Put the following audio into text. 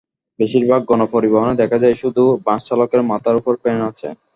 বেশির ভাগ গণপরিবহনে দেখা যায়, শুধু বাসচালকের মাথার ওপর ফ্যান আছে।